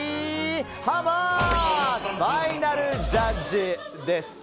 ハウマッチファイナルジャッジです。